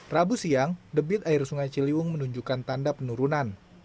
rabu siang debit air sungai ciliwung menunjukkan tanda penurunan